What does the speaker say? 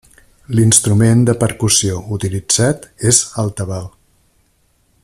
L'instrument de percussió utilitzat és el Tabal.